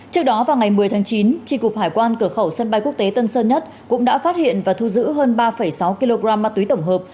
trước đó vào ngày một mươi tháng chín tri cục hải quan cửa khẩu sân bay quốc tế tân sơn nhất cũng đã phát hiện và thu giữ hơn ba sáu kg ma túy tổng hợp